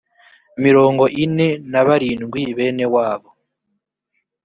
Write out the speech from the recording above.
mirongo ine na barindwi bene wabo